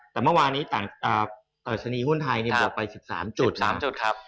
แต่เมื่อวานี้ต่างดัชนีหุ้นไทยบวกไป๑๓๓จุดครับ